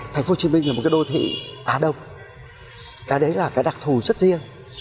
thành phố hồ chí minh là một cái đô thị á đông cái đấy là cái đặc thù rất riêng